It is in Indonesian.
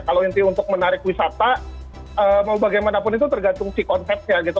kalau inti untuk menarik wisata mau bagaimanapun itu tergantung si konsepnya gitu